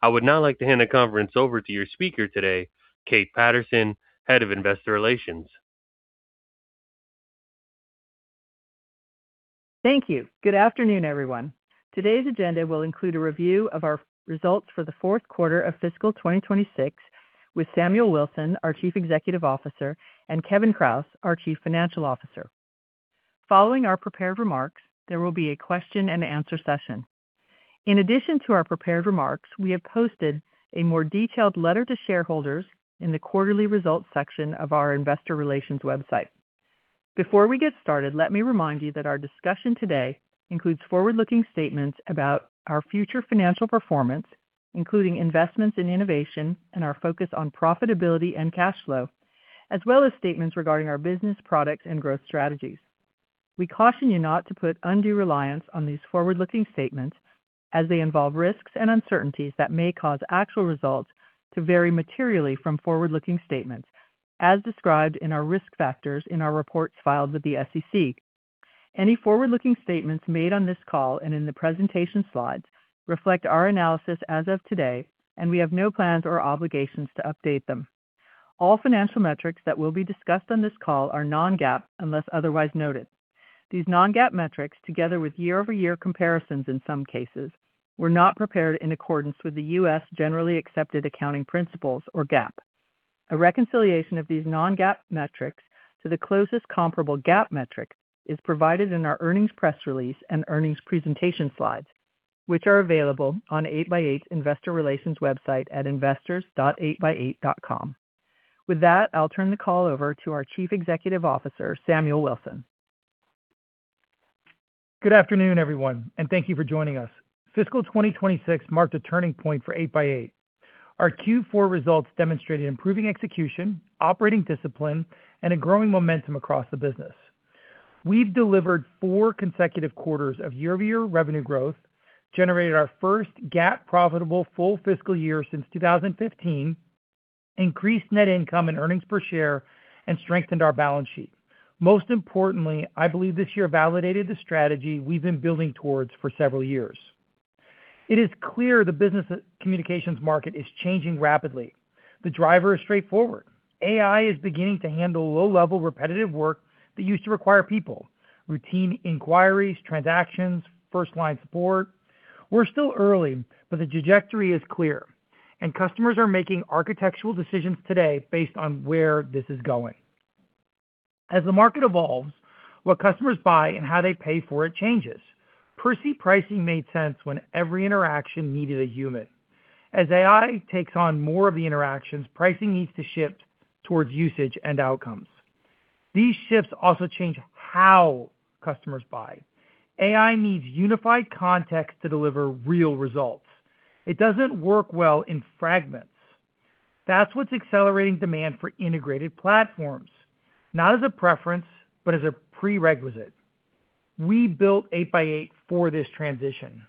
I would now like to hand the conference over to your speaker today, Kate Patterson, Head of Investor Relations. Thank you. Good afternoon, everyone. Today's agenda will include a review of our results for the Fourth Quarter of Fiscal 2026 with Samuel Wilson, our Chief Executive Officer, and Kevin Kraus, our Chief Financial Officer. Following our prepared remarks, there will be a question and answer session. In addition to our prepared remarks, we have posted a more detailed letter to shareholders in the quarterly results section of our investor relations website. Before we get started, let me remind you that our discussion today includes forward-looking statements about our future financial performance, including investments in innovation and our focus on profitability and cash flow, as well as statements regarding our business products and growth strategies. We caution you not to put undue reliance on these forward-looking statements as they involve risks and uncertainties that may cause actual results to vary materially from forward-looking statements as described in our risk factors in our reports filed with the SEC. Any forward-looking statements made on this call and in the presentation slides reflect our analysis as of today, and we have no plans or obligations to update them. All financial metrics that will be discussed on this call are non-GAAP, unless otherwise noted. These non-GAAP metrics, together with year-over-year comparisons in some cases, were not prepared in accordance with the U.S. generally accepted accounting principles, or GAAP. A reconciliation of these non-GAAP metrics to the closest comparable GAAP metric is provided in our earnings press release and earnings presentation slides, which are available on 8x8 investor relations website at investors.8x8.com. With that, I'll turn the call over to our Chief Executive Officer, Samuel Wilson. Good afternoon, everyone, and thank you for joining us. Fiscal 2026 marked a turning point for 8x8. Our Q4 results demonstrated improving execution, operating discipline, and a growing momentum across the business. We've delivered four consecutive quarters of year-over-year revenue growth, generated our first GAAP profitable full fiscal year since 2015, increased net income and earnings per share, and strengthened our balance sheet. Most importantly, I believe this year validated the strategy we've been building towards for several years. It is clear the business communications market is changing rapidly. The driver is straightforward. AI is beginning to handle low-level repetitive work that used to require people, routine inquiries, transactions, first-line support. We're still early, but the trajectory is clear, and customers are making architectural decisions today based on where this is going. As the market evolves, what customers buy and how they pay for it changes. Per seat pricing made sense when every interaction needed a human. As AI takes on more of the interactions, pricing needs to shift towards usage and outcomes. These shifts also change how customers buy. AI needs unified context to deliver real results. It doesn't work well in fragments. That's what's accelerating demand for integrated platforms, not as a preference, but as a prerequisite. We built 8x8 for this transition.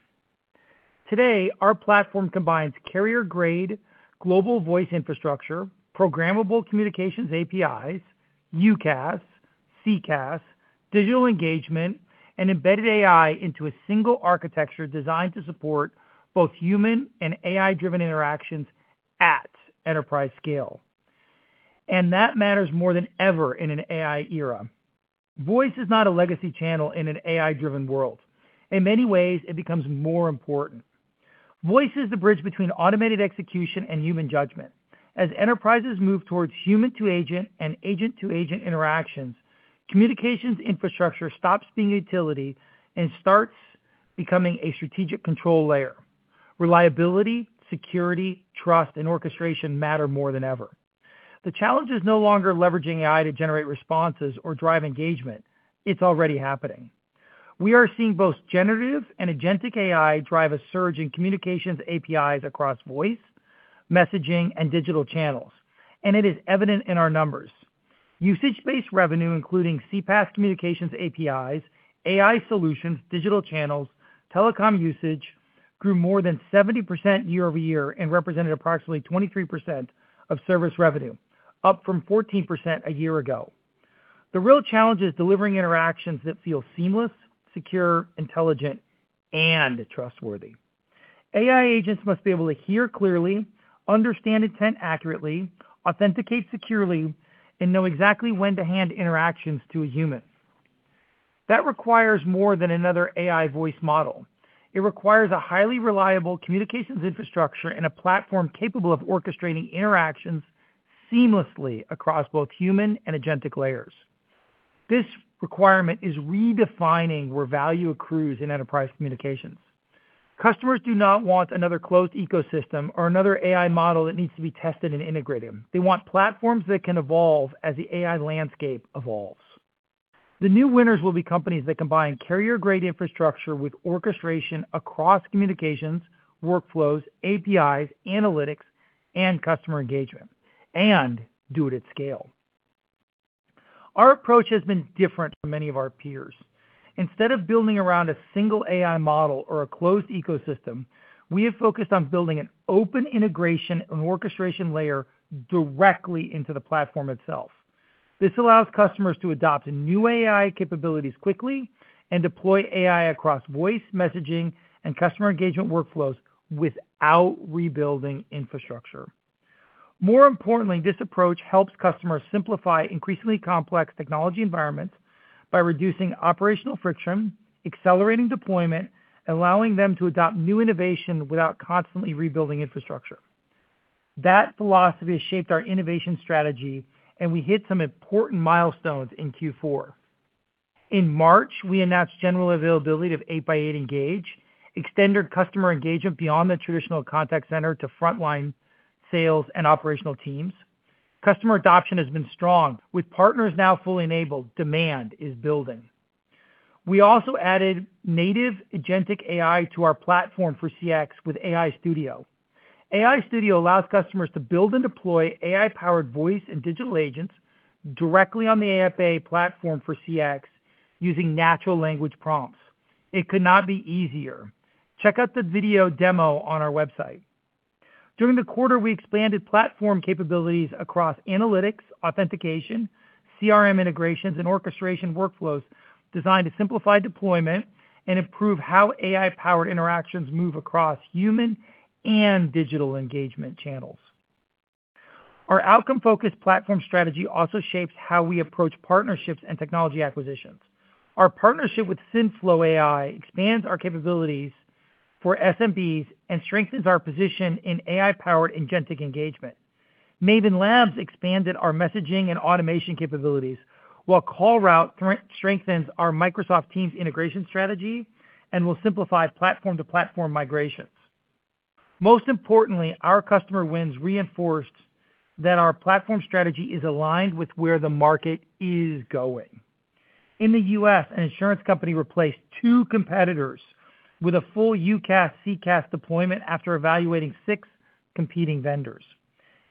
Today, our platform combines carrier-grade global voice infrastructure, programmable communications APIs, UCaaS, CCaaS, digital engagement, and embedded AI into a single architecture designed to support both human and AI-driven interactions at enterprise scale. That matters more than ever in an AI era. Voice is not a legacy channel in an AI-driven world. In many ways, it becomes more important. Voice is the bridge between automated execution and human judgment. As enterprises move towards human-to-agent and agent-to-agent interactions, communications infrastructure stops being a utility and starts becoming a strategic control layer. Reliability, security, trust, and orchestration matter more than ever. The challenge is no longer leveraging AI to generate responses or drive engagement. It's already happening. We are seeing both generative and agentic AI drive a surge in communications APIs across voice, messaging, and digital channels. It is evident in our numbers. Usage-based revenue, including CPaaS communications APIs, AI solutions, digital channels, telecom usage grew more than 70% year-over-year and represented approximately 23% of service revenue, up from 14% a year ago. The real challenge is delivering interactions that feel seamless, secure, intelligent, and trustworthy. AI agents must be able to hear clearly, understand intent accurately, authenticate securely, and know exactly when to hand interactions to a human. That requires more than another AI voice model. It requires a highly reliable communications infrastructure and a platform capable of orchestrating interactions seamlessly across both human and agentic layers. This requirement is redefining where value accrues in enterprise communications. Customers do not want another closed ecosystem or another AI model that needs to be tested and integrated. They want platforms that can evolve as the AI landscape evolves. The new winners will be companies that combine carrier-grade infrastructure with orchestration across communications, workflows, APIs, analytics, and customer engagement, and do it at scale. Our approach has been different from many of our peers. Instead of building around a single AI model or a closed ecosystem, we have focused on building an open integration and orchestration layer directly into the platform itself. This allows customers to adopt new AI capabilities quickly and deploy AI across voice, messaging, and customer engagement workflows without rebuilding infrastructure. More importantly, this approach helps customers simplify increasingly complex technology environments by reducing operational friction, accelerating deployment, allowing them to adopt new innovation without constantly rebuilding infrastructure. That philosophy has shaped our innovation strategy, and we hit some important milestones in Q4. In March, we announced general availability of 8x8 Engage, extended customer engagement beyond the traditional contact center to frontline sales and operational teams. Customer adoption has been strong. With partners now fully enabled, demand is building. We also added native agentic AI to our Platform for CX with AI Studio. AI Studio allows customers to build and deploy AI-powered voice and digital agents directly on the 8x8 Platform for CX using natural language prompts. It could not be easier. Check out the video demo on our website. During the quarter, we expanded platform capabilities across analytics, authentication, CRM integrations, and orchestration workflows designed to simplify deployment and improve how AI-powered interactions move across human and digital engagement channels. Our outcome-focused platform strategy also shapes how we approach partnerships and technology acquisitions. Our partnership with Synthflow AI expands our capabilities for SMBs and strengthens our position in AI-powered agentic engagement. Maven Lab expanded our messaging and automation capabilities, while Callroute strengthens our Microsoft Teams integration strategy and will simplify platform-to-platform migrations. Most importantly, our customer wins reinforced that our platform strategy is aligned with where the market is going. In the U.S., an insurance company replaced two competitors with a full UCaaS/CCaaS deployment after evaluating six competing vendors.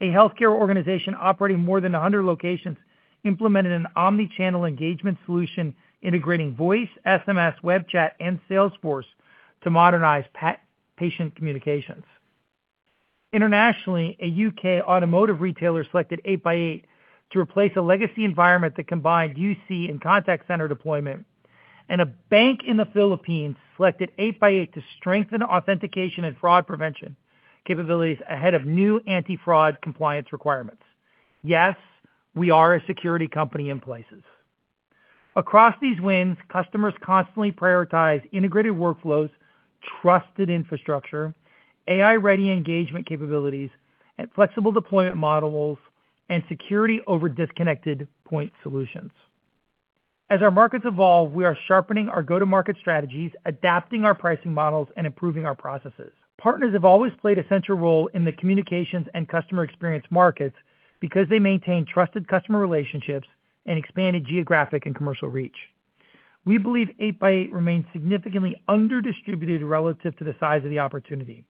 A healthcare organization operating more than 100 locations implemented an omnichannel engagement solution integrating voice, SMS, web chat, and Salesforce to modernize patient communications. Internationally, a U.K. automotive retailer selected 8x8 to replace a legacy environment that combined UC and contact center deployment, and a bank in the Philippines selected 8x8 to strengthen authentication and fraud prevention capabilities ahead of new anti-fraud compliance requirements. Yes, we are a security company in places. Across these wins, customers constantly prioritize integrated workflows, trusted infrastructure, AI-ready engagement capabilities, and flexible deployment models and security over disconnected point solutions. As our markets evolve, we are sharpening our go-to-market strategies, adapting our pricing models, and improving our processes. Partners have always played a central role in the communications and customer experience markets because they maintain trusted customer relationships and expanded geographic and commercial reach. We believe 8x8 remains significantly under distributed relative to the size of the opportunity.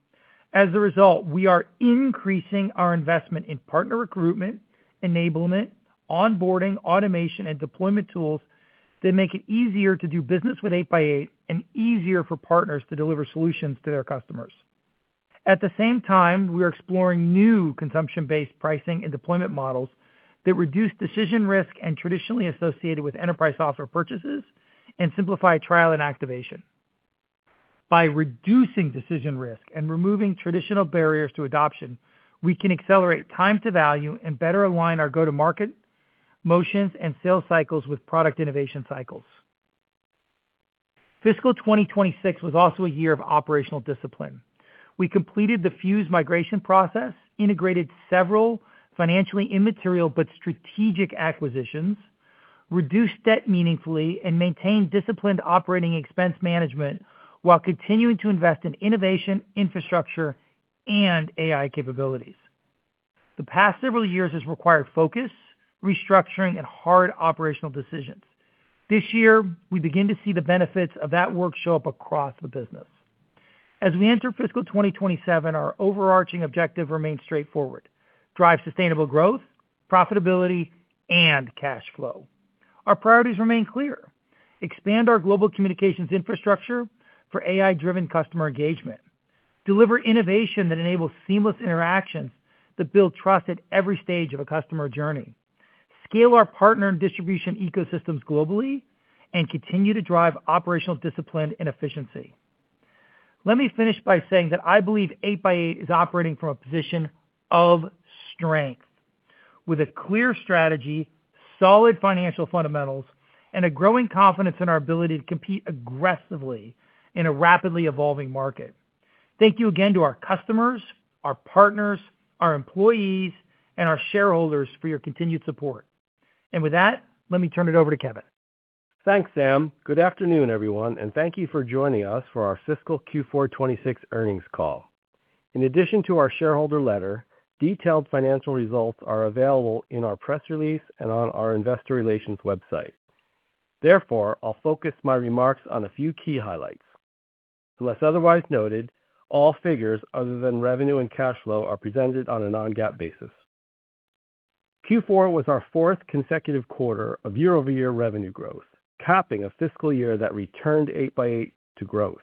As a result, we are increasing our investment in partner recruitment, enablement, onboarding, automation, and deployment tools that make it easier to do business with 8x8 and easier for partners to deliver solutions to their customers. At the same time, we are exploring new consumption-based pricing and deployment models that reduce decision risk and traditionally associated with enterprise software purchases and simplify trial and activation. By reducing decision risk and removing traditional barriers to adoption, we can accelerate time to value and better align our go-to-market motions and sales cycles with product innovation cycles. Fiscal 2026 was also a year of operational discipline. We completed the Fuze migration process, integrated several financially immaterial but strategic acquisitions, reduced debt meaningfully, and maintained disciplined operating expense management while continuing to invest in innovation, infrastructure, and AI capabilities. The past several years has required focus, restructuring, and hard operational decisions. This year, we begin to see the benefits of that work show up across the business. As we enter fiscal 2027, our overarching objective remains straightforward. Drive sustainable growth, profitability, and cash flow. Our priorities remain clear. Expand our global communications infrastructure for AI-driven customer engagement. Deliver innovation that enables seamless interactions that build trust at every stage of a customer journey. Scale our partner and distribution ecosystems globally and continue to drive operational discipline and efficiency. Let me finish by saying that I believe 8x8 is operating from a position of strength with a clear strategy, solid financial fundamentals, and a growing confidence in our ability to compete aggressively in a rapidly evolving market. Thank you again to our customers, our partners, our employees, and our shareholders for your continued support. With that, let me turn it over to Kevin. Thanks, Sam. Good afternoon, everyone, and thank you for joining us for our fiscal Q4 2026 earnings call. In addition to our shareholder letter, detailed financial results are available in our press release and on our investor relations website. I'll focus my remarks on a few key highlights. Unless otherwise noted, all figures other than revenue and cash flow are presented on a non-GAAP basis. Q4 was our fourth consecutive quarter of year-over-year revenue growth, capping a fiscal year that returned 8x8 to growth,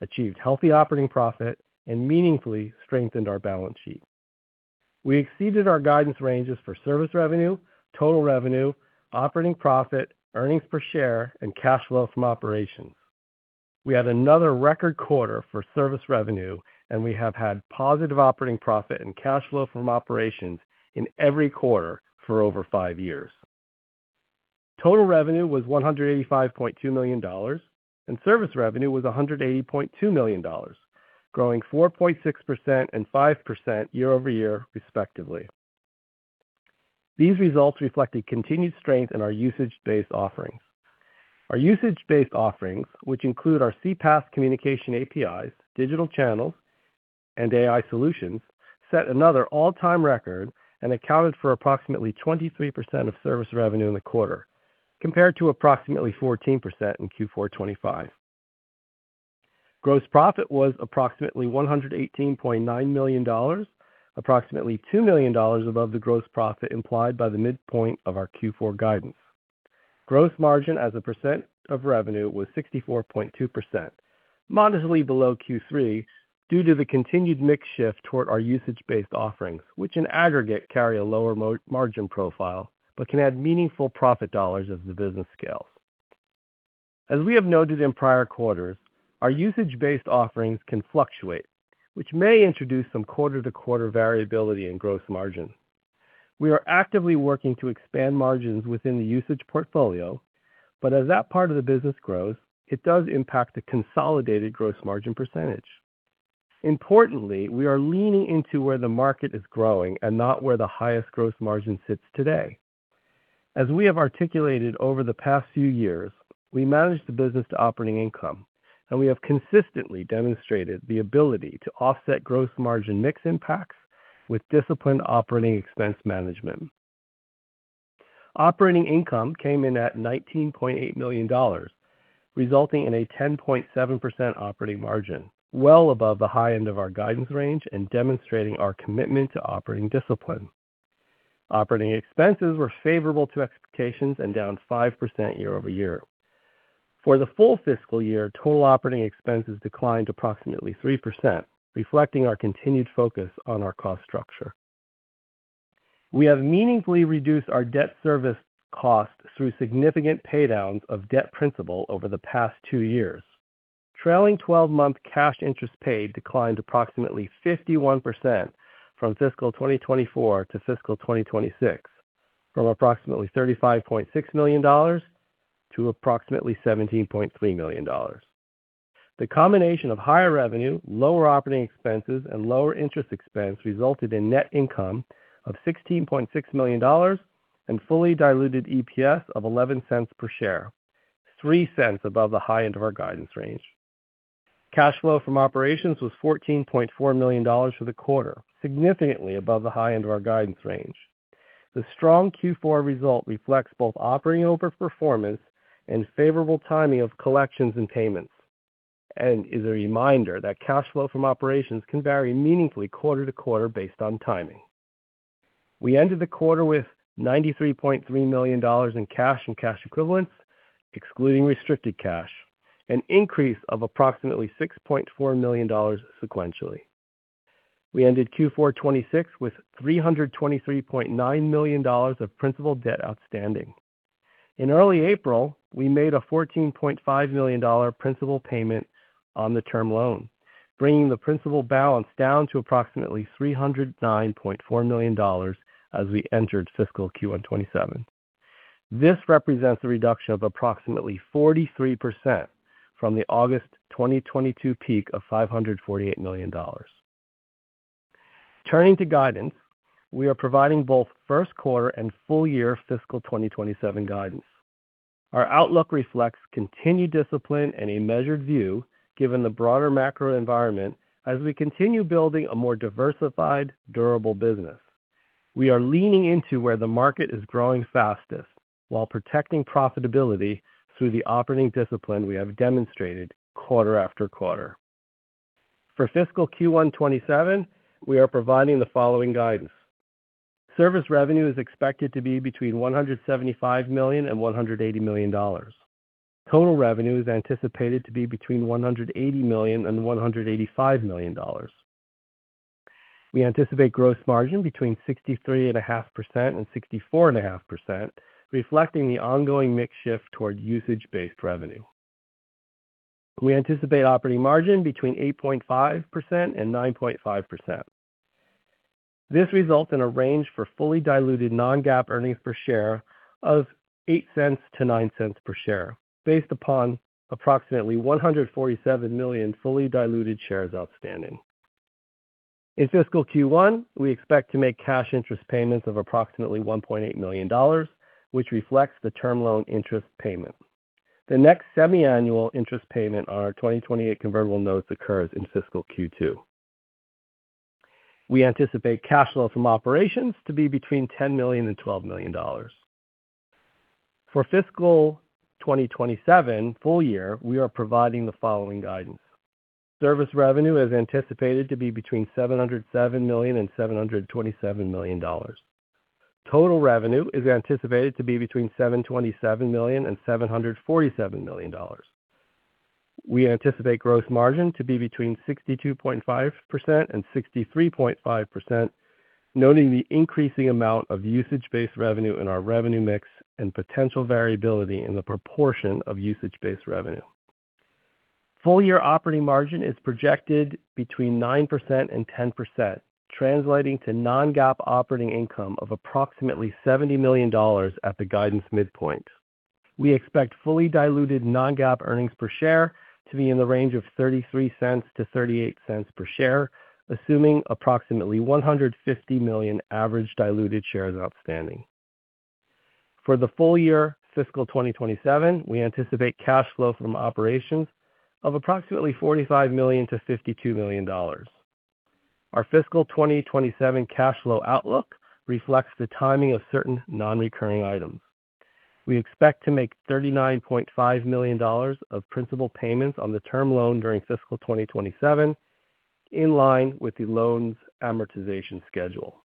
achieved healthy operating profit, and meaningfully strengthened our balance sheet. We exceeded our guidance ranges for service revenue, total revenue, operating profit, earnings per share, and cash flow from operations. We had another record quarter for service revenue, we have had positive operating profit and cash flow from operations in every quarter for over five years. Total revenue was $185.2 million, and service revenue was $180.2 million, growing 4.6% and 5% year-over-year respectively. These results reflect a continued strength in our usage-based offerings. Our usage-based offerings, which include our CPaaS communication APIs, digital channels, and AI solutions, set another all-time record and accounted for approximately 23% of service revenue in the quarter, compared to approximately 14% in Q4 2025. Gross profit was approximately $118.9 million, approximately $2 million above the gross profit implied by the midpoint of our Q4 guidance. Gross margin as a percent of revenue was 64.2%, modestly below Q3 due to the continued mix shift toward our usage-based offerings, which in aggregate carry a lower margin profile, but can add meaningful profit dollars as the business scales. As we have noted in prior quarters, our usage-based offerings can fluctuate, which may introduce some quarter-to-quarter variability in gross margin. We are actively working to expand margins within the usage portfolio, but as that part of the business grows, it does impact the consolidated gross margin percentage. Importantly, we are leaning into where the market is growing and not where the highest gross margin sits today. As we have articulated over the past few years, we manage the business to operating income, and we have consistently demonstrated the ability to offset gross margin mix impacts with disciplined operating expense management. Operating income came in at $19.8 million, resulting in a 10.7% operating margin, well above the high end of our guidance range and demonstrating our commitment to operating discipline. Operating expenses were favorable to expectations and down 5% year-over-year. For the full fiscal year, total operating expenses declined approximately 3%, reflecting our continued focus on our cost structure. We have meaningfully reduced our debt service cost through significant pay downs of debt principal over the past two years. Trailing 12-month cash interest paid declined approximately 51% from fiscal 2024 to fiscal 2026, from approximately $35.6 million to approximately $17.3 million. The combination of higher revenue, lower operating expenses, and lower interest expense resulted in net income of $16.6 million and fully diluted EPS of $0.11 per share, $0.03 above the high end of our guidance range. Cash flow from operations was $14.4 million for the quarter, significantly above the high end of our guidance range. The strong Q4 result reflects both operating over performance and favorable timing of collections and payments, and is a reminder that cash flow from operations can vary meaningfully quarter to quarter based on timing. We ended the quarter with $93.3 million in cash and cash equivalents, excluding restricted cash, an increase of approximately $6.4 million sequentially. We ended Q4 2026 with $323.9 million of principal debt outstanding. In early April, we made a $14.5 million principal payment on the term loan, bringing the principal balance down to approximately $309.4 million as we entered fiscal Q1 2027. This represents a reduction of approximately 43% from the August 2022 peak of $548 million. Turning to guidance, we are providing both first quarter and full year fiscal 2027 guidance. Our outlook reflects continued discipline and a measured view given the broader macro environment as we continue building a more diversified, durable business. We are leaning into where the market is growing fastest while protecting profitability through the operating discipline we have demonstrated quarter after quarter. For fiscal Q1 2027, we are providing the following guidance. Service revenue is expected to be between $175 million and $180 million. Total revenue is anticipated to be between $180 million and $185 million. We anticipate gross margin between 63.5% and 64.5%, reflecting the ongoing mix shift toward usage-based revenue. We anticipate operating margin between 8.5% and 9.5%. This results in a range for fully diluted non-GAAP earnings per share of $0.08-$0.09 per share based upon approximately 147 million fully diluted shares outstanding. In fiscal Q1, we expect to make cash interest payments of approximately $1.8 million, which reflects the term loan interest payment. The next semi-annual interest payment on our 2028 convertible notes occurs in fiscal Q2. We anticipate cash flow from operations to be between $10 million and $12 million. For fiscal 2027 full year, we are providing the following guidance. Service revenue is anticipated to be between $707 million and $727 million. Total revenue is anticipated to be between $727 million and $747 million. We anticipate gross margin to be between 62.5% and 63.5%, noting the increasing amount of usage-based revenue in our revenue mix and potential variability in the proportion of usage-based revenue. Full year operating margin is projected between 9% and 10%, translating to non-GAAP operating income of approximately $70 million at the guidance midpoint. We expect fully diluted non-GAAP earnings per share to be in the range of $0.33-$0.38 per share, assuming approximately 150 million average diluted shares outstanding. For the full year fiscal 2027, we anticipate cash flow from operations of approximately $45 million-$52 million. Our fiscal 2027 cash flow outlook reflects the timing of certain non-recurring items. We expect to make $39.5 million of principal payments on the term loan during fiscal 2027, in line with the loan's amortization schedule.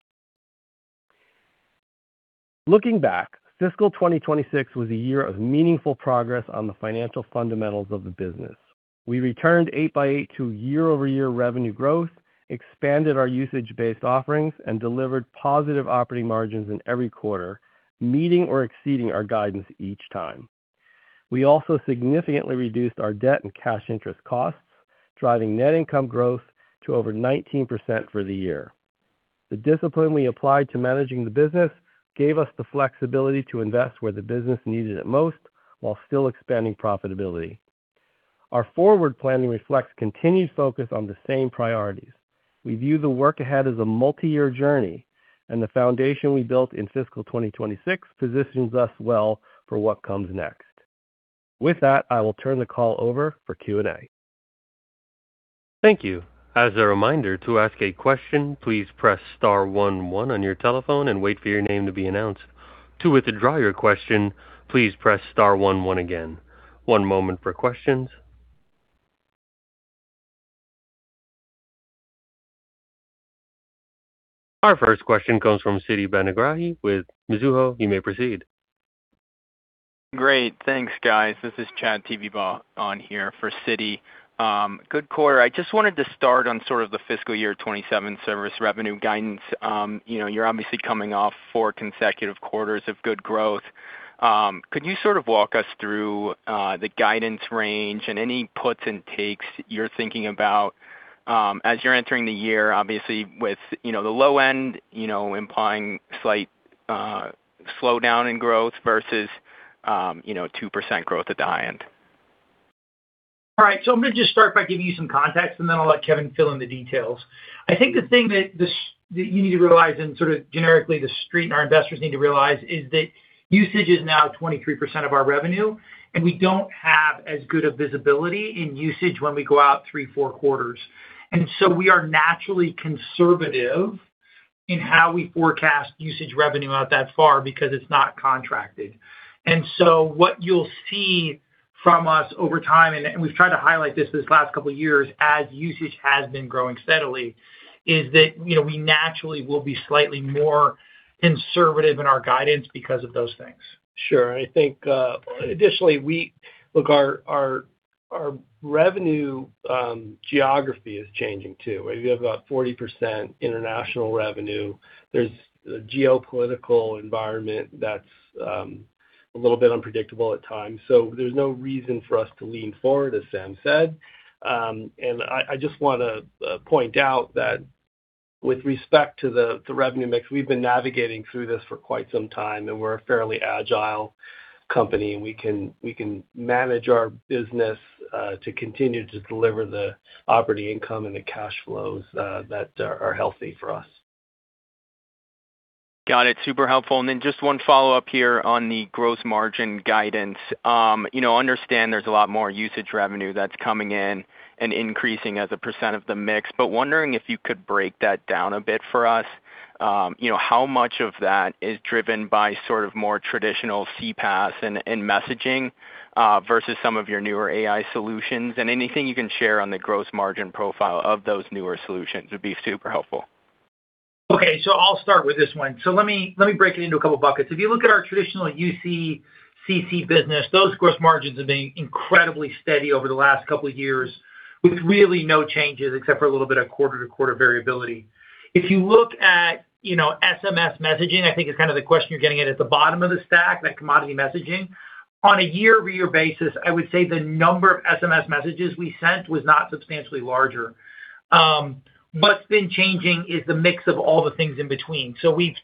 Looking back, fiscal 2026 was a year of meaningful progress on the financial fundamentals of the business. We returned 8x8 to year-over-year revenue growth, expanded our usage-based offerings, and delivered positive operating margins in every quarter, meeting or exceeding our guidance each time. We also significantly reduced our debt and cash interest costs, driving net income growth to over 19% for the year. The discipline we applied to managing the business gave us the flexibility to invest where the business needed it most while still expanding profitability. Our forward planning reflects continued focus on the same priorities. We view the work ahead as a multi-year journey, and the foundation we built in fiscal 2026 positions us well for what comes next. With that, I will turn the call over for Q&A. Thank you. As a reminder, to ask a question, please press star one one on your telephone and wait for your name to be announced. To withdraw your question, please press star one one again. One moment for questions. Our first question comes from Siti Panigrahi with Mizuho. You may proceed. Great. Thanks, guys. This is Chad Tevebaugh on here for Siti Panigrahi. Good quarter. I just wanted to start on sort of the fiscal year 2027 service revenue guidance. You know, you're obviously coming off four consecutive quarters of good growth. Could you sort of walk us through the guidance range and any puts and takes you're thinking about as you're entering the year, obviously with, you know, the low end, you know, implying slight slowdown in growth versus, you know, 2% growth at the high end? All right, I'm gonna just start by giving you some context, and then I'll let Kevin fill in the details. I think the thing that you need to realize and sort of generically the street and our investors need to realize is that usage is now 23% of our revenue, and we don't have as good of visibility in usage when we go out three, four quarters. We are naturally conservative in how we forecast usage revenue out that far because it's not contracted. What you'll see from us over time, and we've tried to highlight this this last couple of years as usage has been growing steadily, is that, you know, we naturally will be slightly more conservative in our guidance because of those things. Sure. I think additionally, we look our revenue geography is changing too. We have about 40% international revenue. There's a geopolitical environment that's a little bit unpredictable at times, so there's no reason for us to lean forward, as Sam said. I just wanna point out that with respect to the revenue mix, we've been navigating through this for quite some time, and we're a fairly agile company, and we can manage our business to continue to deliver the operating income and the cash flows that are healthy for us. Got it. Super helpful. Just one follow-up here on the gross margin guidance. You know, understand there's a lot more usage revenue that's coming in and increasing as a percent of the mix. Wondering if you could break that down a bit for us. You know, how much of that is driven by sort of more traditional CPaaS and messaging versus some of your newer AI solutions? Anything you can share on the gross margin profile of those newer solutions would be super helpful. I'll start with this one. Let me break it into a couple buckets. If you look at our traditional UCaaS business, those gross margins have been incredibly steady over the last couple of years with really no changes except for a little bit of quarter-to-quarter variability. If you look at, you know, SMS messaging, I think is kind of the question you're getting at the bottom of the stack, that commodity messaging. On a year-over-year basis, I would say the number of SMS messages we sent was not substantially larger. What's been changing is the mix of all the things in between.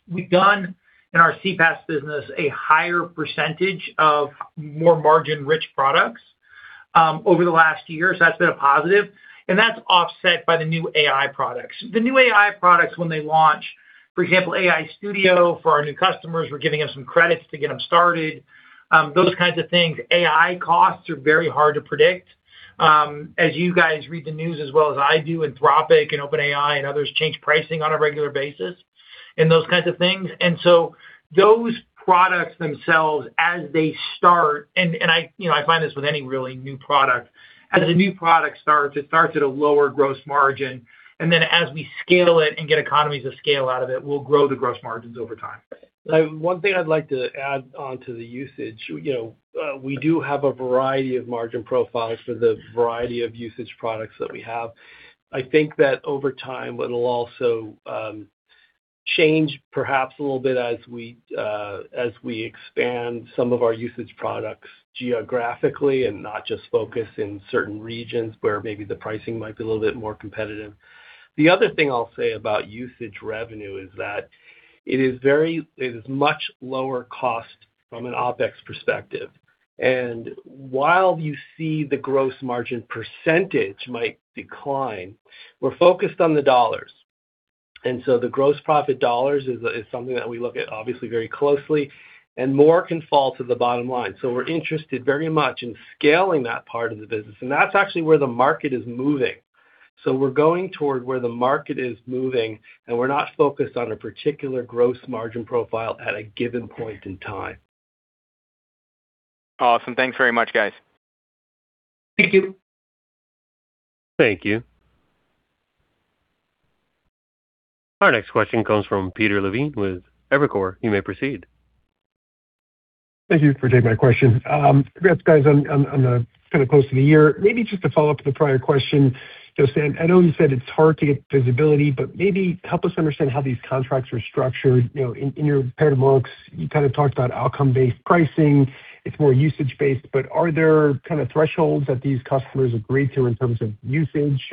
We've done in our CPaaS business a higher percentage of more margin-rich products over the last two years. That's been a positive, and that's offset by the new AI products. The new AI products when they launch, for example, AI Studio for our new customers, we're giving them some credits to get them started, those kinds of things. AI costs are very hard to predict. As you guys read the news as well as I do, Anthropic and OpenAI and others change pricing on a regular basis and those kinds of things. Those products themselves as they start, and I, you know, I find this with any really new product. As a new product starts, it starts at a lower gross margin, and then as we scale it and get economies of scale out of it, we'll grow the gross margins over time. One thing I'd like to add onto the usage, you know, we do have a variety of margin profiles for the variety of usage products that we have. I think that over time, it'll also change perhaps a little bit as we expand some of our usage products geographically and not just focus in certain regions where maybe the pricing might be a little bit more competitive. The other thing I'll say about usage revenue is that it is much lower cost from an OpEx perspective. While you see the gross margin percentage might decline, we're focused on the dollars. The gross profit dollars is something we look at obviously very closely, and more can fall to the bottom line. We're interested very much in scaling that part of the business, and that's actually where the market is moving. We're going toward where the market is moving, and we're not focused on a particular gross margin profile at a given point in time. Awesome. Thanks very much, guys. Thank you. Thank you. Our next question comes from Peter Levine with Evercore. You may proceed. Thank you for taking my question. Congrats guys on the kind of close to the year. Maybe just to follow up to the prior question. You know, Sam, I know you said it's hard to get visibility, but maybe help us understand how these contracts are structured. In your prepared remarks, you kind of talked about outcome-based pricing. It's more usage-based, but are there kind of thresholds that these customers agree to in terms of usage?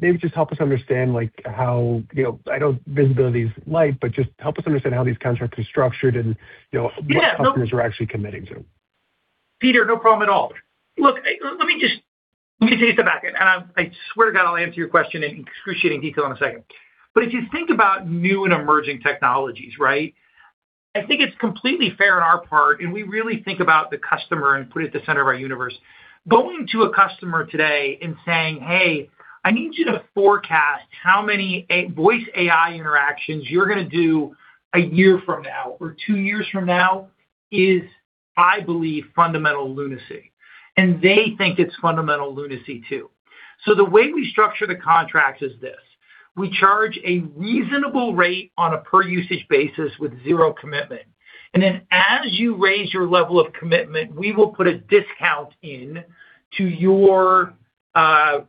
Maybe just help us understand, like how, you know, I know visibility is light, but just help us understand how these contracts are structured and, you know- Yeah. ...what customers are actually committing to. Peter, no problem at all. Look, let me take a step back, and I swear to God I'll answer your question in excruciating detail in a second. If you think about new and emerging technologies, right? I think it's completely fair on our part, and we really think about the customer and put at the center of our universe. Going to a customer today and saying, "Hey, I need you to forecast how many voice AI interactions you're gonna do one year from now or two years from now," is, I believe, fundamental lunacy. They think it's fundamental lunacy too. The way we structure the contract is this: we charge a reasonable rate on a per usage basis with zero commitment. As you raise your level of commitment, we will put a discount in to your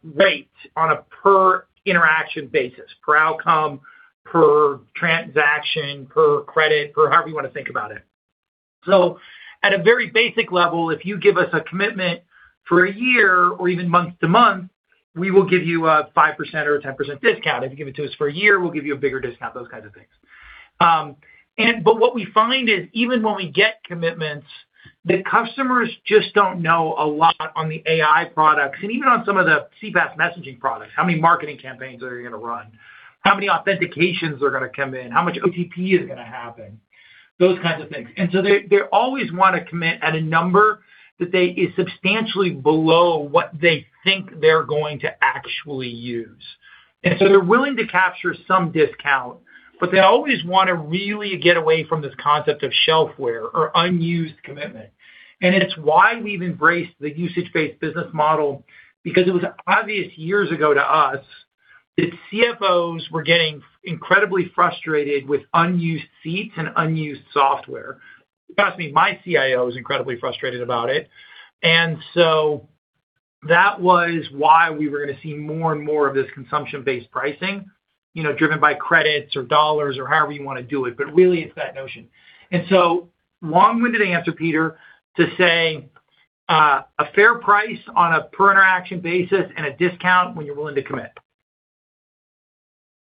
rate on a per interaction basis, per outcome, per transaction, per credit, per however you wanna think about it. At a very basic level, if you give us a commitment for a year or even month to month, we will give you a 5% or a 10% discount. If you give it to us for a year, we'll give you a bigger discount, those kinds of things. What we find is even when we get commitments, the customers just don't know a lot on the AI products and even on some of the CPaaS messaging products. How many marketing campaigns are you gonna run? How many authentications are gonna come in? How much OTP is gonna happen? Those kinds of things. They always wanna commit at a number that is substantially below what they think they're going to actually use. They're willing to capture some discount, but they always wanna really get away from this concept of shelf wear or unused commitment. It's why we've embraced the usage-based business model, because it was obvious years ago to us that CFOs were getting incredibly frustrated with unused seats and unused software. Trust me, my CIO is incredibly frustrated about it. That was why we were gonna see more and more of this consumption-based pricing, you know, driven by credits or dollars or however you wanna do it. Really, it's that notion. Long-winded answer, Peter, to say, a fair price on a per interaction basis and a discount when you're willing to commit.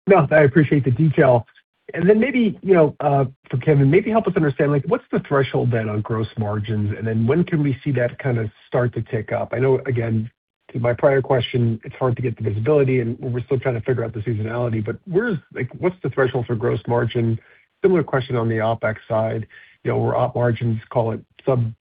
No, I appreciate the detail. Maybe, you know, for Kevin, maybe help us understand, like, what's the threshold then on gross margins, and then when can we see that kind of start to tick up? I know, again, to my prior question, it's hard to get the visibility, and we're still trying to figure out the seasonality. Like, what's the threshold for gross margin? Similar question on the OpEx side. You know, were Op margins, call it sub,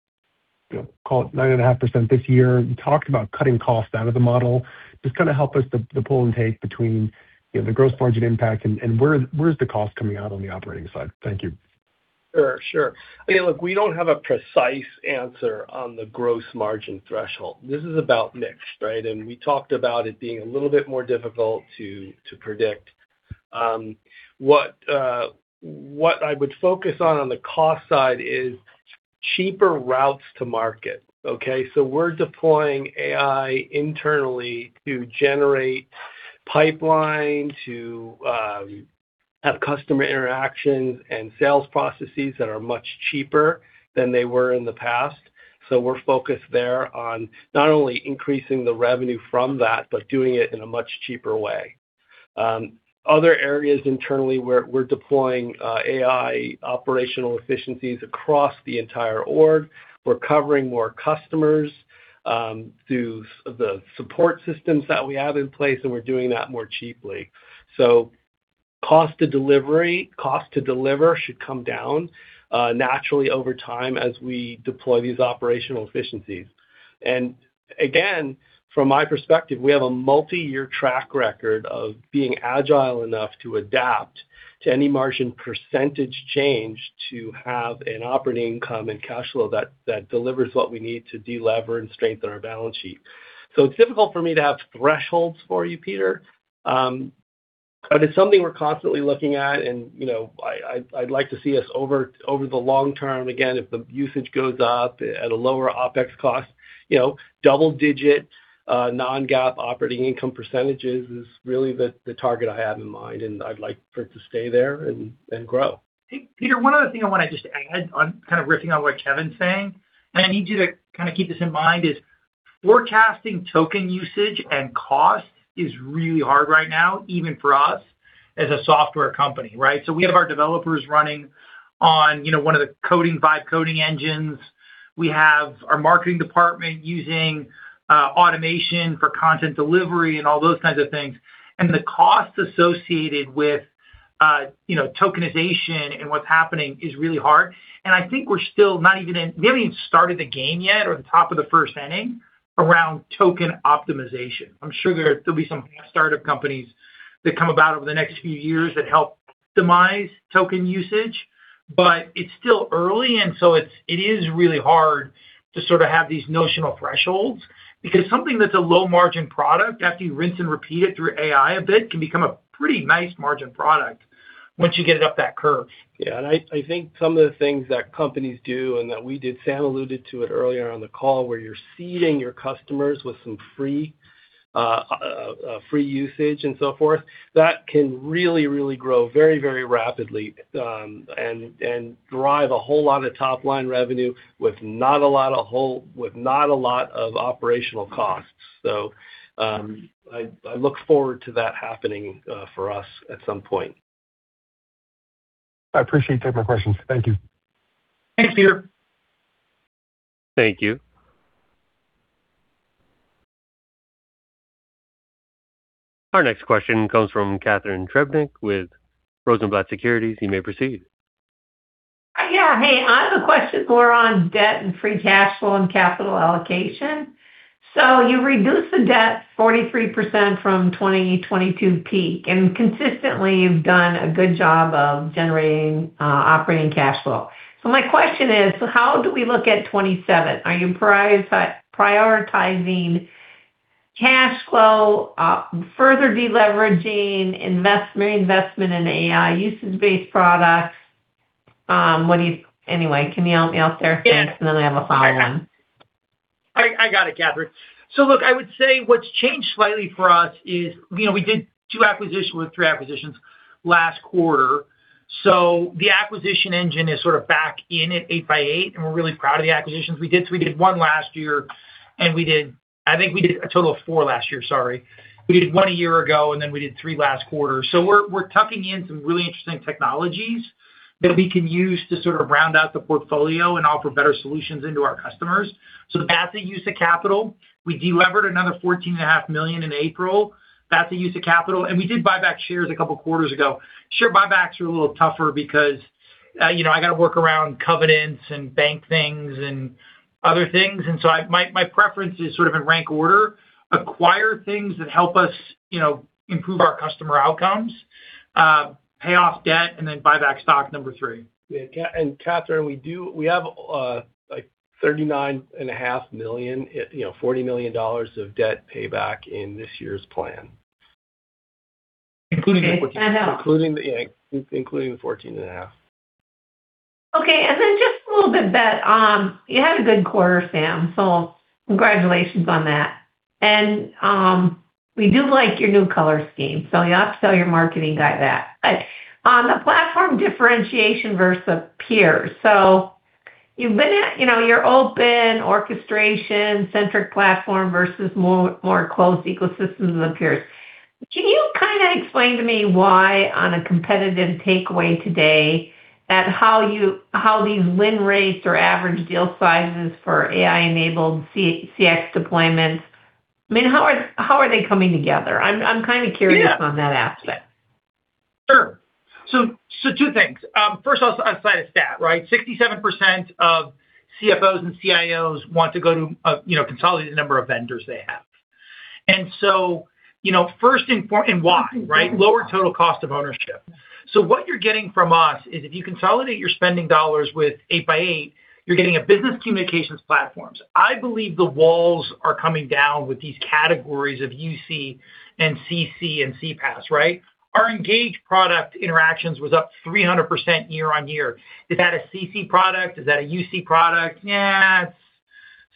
you know, call it 9.5% this year. You talked about cutting costs out of the model. Just kind of help us the pull and take between, you know, the gross margin impact and where is the cost coming out on the operating side? Thank you. Sure, sure. Again, look, we don't have a precise answer on the gross margin threshold. This is about mix, right? We talked about it being a little bit more difficult to predict. What I would focus on the cost side is cheaper routes to market, okay? We're deploying AI internally to generate pipeline, to have customer interactions and sales processes that are much cheaper than they were in the past. We're focused there on not only increasing the revenue from that, but doing it in a much cheaper way. Other areas internally where we're deploying AI operational efficiencies across the entire org. We're covering more customers through the support systems that we have in place, and we're doing that more cheaply. Cost to deliver should come down naturally over time as we deploy these operational efficiencies. Again, from my perspective, we have a multi-year track record of being agile enough to adapt to any margin percentage change to have an operating income and cash flow that delivers what we need to delever and strengthen our balance sheet. It's difficult for me to have thresholds for you, Peter. It's something we're constantly looking at and, you know, I'd like to see us over the long term, again, if the usage goes up at a lower OpEx cost, you know, double-digit non-GAAP operating income percentages is really the target I have in mind, and I'd like for it to stay there and grow. Peter, one other thing I wanna just add on kind of riffing on what Kevin's saying, I need you to kinda keep this in mind, is forecasting token usage and cost is really hard right now, even for us as a software company, right? We have our developers running on, you know, one of the coding five coding engines. We have our marketing department using automation for content delivery and all those kinds of things. The cost associated with, you know, tokenization and what's happening is really hard. I think we're still not even we haven't even started the game yet or the top of the first inning around token optimization. I'm sure there'll be some startup companies that come about over the next few years that help optimize token usage, but it's still early, it is really hard to sort of have these notional thresholds. Something that's a low margin product, after you rinse and repeat it through AI a bit, can become a pretty nice margin product once you get it up that curve. Yeah. I think some of the things that companies do and that we did, Sam alluded to it earlier on the call, where you're seeding your customers with some free usage and so forth, that can really grow very rapidly, and drive a whole lot of top-line revenue with not a lot of operational costs. I look forward to that happening for us at some point. I appreciate taking my questions. Thank you. Thanks, Peter. Thank you. Our next question comes from Catharine Trebnick with Rosenblatt Securities. You may proceed. Yeah. Hey, I have a question more on debt and free cash flow and capital allocation. You reduced the debt 43% from 2022 peak, and consistently, you've done a good job of generating operating cash flow. My question is, how do we look at 2027? Are you prioritizing cash flow, further de-leveraging, reinvestment in AI, usage-based products? Anyway, can you help me out there, Sam? Then I have a follow-on. I got it, Catharine. Look, I would say what's changed slightly for us is, you know, we did two acquisitions or three acquisitions last quarter. The acquisition engine is sort of back in at 8x8, and we're really proud of the acquisitions we did. We did one last year, and I think we did a total of four last year. Sorry. We did one a year ago, and then we did three last quarter. We're tucking in some really interesting technologies that we can use to sort of round out the portfolio and offer better solutions into our customers. The path of use of capital, we delevered another $14.5 million in April. That's the use of capital. We did buy back shares a couple quarters ago. Share buybacks are a little tougher because, you know, I gotta work around covenants and bank things and other things. My preference is sort of in rank order, acquire things that help us, you know, improve our customer outcomes, pay off debt, and then buy back stock number 3. Yeah. Catharine, we have, like $39.5 million, you know, $40 million of debt payback in this year's plan. Okay. That helps. Including the, yeah, including the $14.5 million. Okay. Just a little bit that you had a good quarter, Sam, so congratulations on that. We do like your new color scheme, so you have to tell your marketing guy that. On the platform differentiation versus peers. You've been at, you know, your open orchestration centric platform versus more closed ecosystems of the peers. Can you kinda explain to me why on a competitive takeaway today that how these win rates or AI-enabled CX deployments, I mean, how are they coming together? I'm kinda curious- Yeah. ...on that aspect. Sure. Two things. First, I'll cite a stat, right? 67% of CFOs and CIOs want to go to, you know, consolidate the number of vendors they have. You know, first and why, right? Lower total cost of ownership. What you're getting from us is if you consolidate your spending dollars with 8x8, you're getting a business communications platforms. I believe the walls are coming down with these categories of UC and CC and CPaaS, right? Our Engage product interactions was up 300% year on year. Is that a CC product? Is that a UC product? Yeah. It's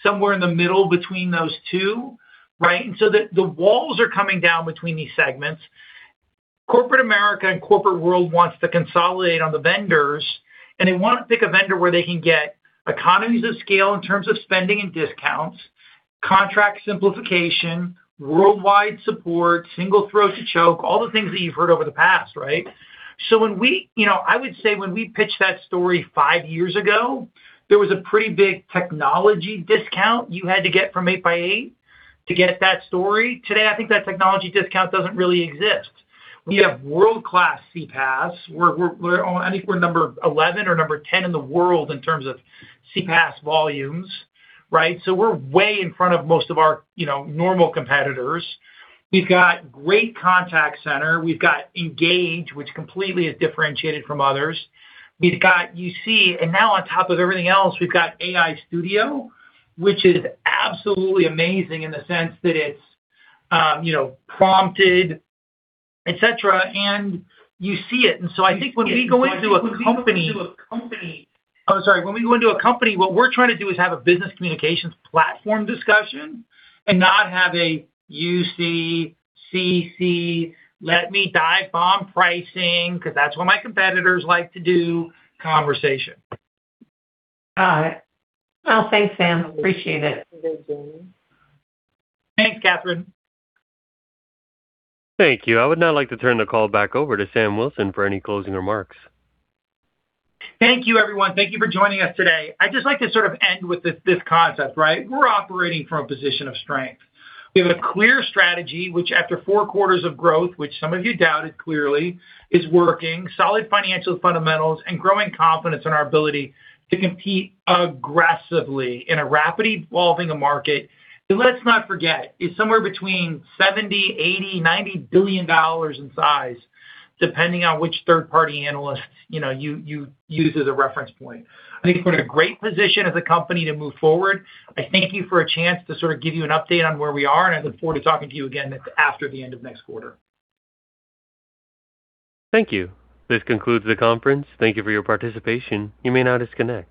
somewhere in the middle between those two, right? The walls are coming down between these segments. Corporate America and corporate world wants to consolidate on the vendors, they wanna pick a vendor where they can get economies of scale in terms of spending and discounts, contract simplification, worldwide support, single throat to choke, all the things that you've heard over the past, right? You know, I would say when we pitched that story five years ago, there was a pretty big technology discount you had to get from 8x8 to get that story. Today, I think that technology discount doesn't really exist. We have world-class CPaaS. We're, we're number 11 or number 10 in the world in terms of CPaaS volumes, right? We're way in front of most of our, you know, normal competitors. We've got great contact center. We've got Engage, which completely is differentiated from others. We've got UC. On top of everything else, we've got AI Studio, which is absolutely amazing in the sense that it's, you know, prompted, et cetera. You see it. I think when we go into a company, what we're trying to do is have a business communications platform discussion and not have a UC, CC, let me dive bomb pricing, 'cause that's what my competitors like to do, conversation. Got it. Well, thanks, Sam. Appreciate it. Thanks, Catharine. Thank you. I would now like to turn the call back over to Sam Wilson for any closing remarks. Thank you, everyone. Thank you for joining us today. I'd just like to sort of end with this concept, right? We're operating from a position of strength. We have a clear strategy, which after four quarters of growth, which some of you doubted clearly, is working, solid financial fundamentals, and growing confidence in our ability to compete aggressively in a rapidly evolving market that let's not forget is somewhere between $70 billion, $80 billion, $90 billion in size, depending on which third-party analyst, you know, you use as a reference point. I think we're in a great position as a company to move forward. I thank you for a chance to sort of give you an update on where we are, and I look forward to talking to you again after the end of next quarter. Thank you. This concludes the conference. Thank you for your participation. You may now disconnect.